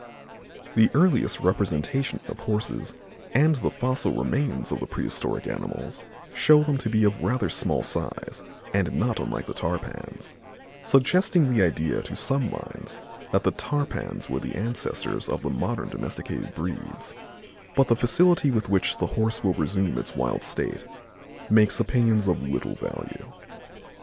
The earliest representations of Horses and the fossil remains of the prehistoric animals show them to be of rather small size and not unlike the tarpans, suggesting the idea to some minds that the tarpans were the ancestors of the modern domesticated breeds, but the facility with which the Horse will resume its wild state makes opinions of little value.